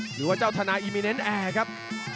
หรือว่าเจ้าธนาอิมมิเน็นต์แอร์ครับ